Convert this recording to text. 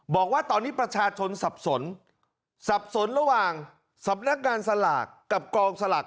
บอกว่าตอนนี้ประชาชนสับสนสับสนระหว่างสำนักงานสลากกับกองสลาก